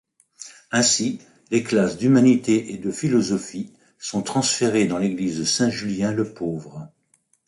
Ainsi, les classes d’Humanité et de Philosophie sont transférés dans l’église Saint-Julien-le-Pauvre.